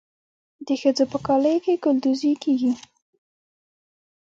د ښځو په کالیو کې ګلدوزي کیږي.